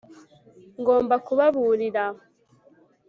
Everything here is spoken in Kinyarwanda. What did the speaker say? ngomba kubaburira